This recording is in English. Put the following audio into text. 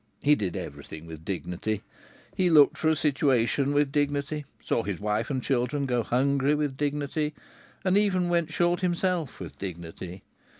He did everything with dignity. He looked for a situation with dignity, saw his wife and children go hungry with dignity, and even went short himself with dignity.